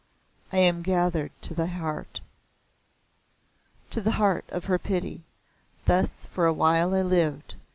I am gathered to thy heart!" To the heart of her pity. Thus for awhile I lived.